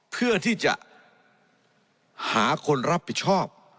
เพื่อที่จะหาคนรับผิดชอบ